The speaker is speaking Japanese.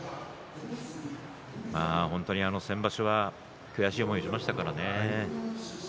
本当に先場所は悔しい思いをしましたからね。